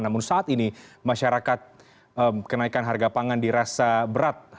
namun saat ini masyarakat kenaikan harga pangan dirasa berat